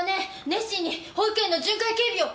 熱心に保育園の巡回警備を！